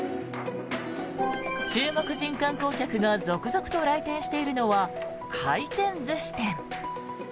中国人観光客が続々と来店しているのは回転寿司店。